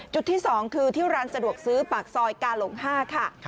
จุดที่๒คือที่ร้านสะดวกซื้อปากซอยกาหลง๕ค่ะ